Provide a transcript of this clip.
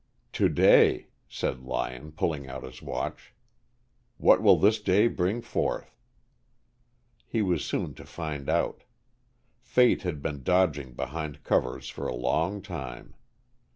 "To day," said Lyon, pulling out his watch. "What will this day bring forth?" He was soon to find out. Fate had been dodging behind covers for a long time.